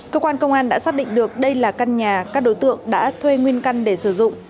cơ quan công an đã xác định được đây là căn nhà các đối tượng đã thuê nguyên căn để sử dụng